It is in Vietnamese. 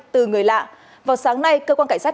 từ người lạ vào sáng nay cơ quan cảnh sát